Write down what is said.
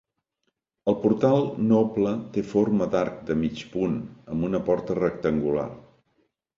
El portal noble té forma d'arc de mig punt, amb una porta rectangular.